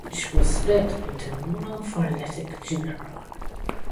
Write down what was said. Each was split into monophyletic genera.